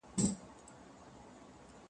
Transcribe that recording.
زه موبایل کارولی دی.